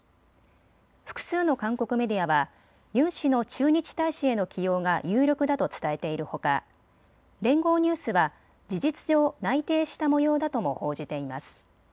複数の韓国メディアはユン氏の駐日大使への起用が有力だと伝えているほか連合ニュースは事実上内定したもようだとも報じています。